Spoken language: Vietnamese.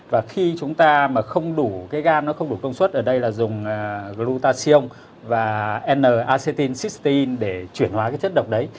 và khi chúng ta mà không đủ cái gan nó không đủ công suất ở đây là dùng glutathione và n acetylcysteine để chuyển hóa cái chất độc đấy